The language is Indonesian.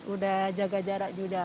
udah jaga jarak juga